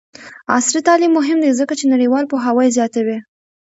عصري تعلیم مهم دی ځکه چې نړیوال پوهاوی زیاتوي.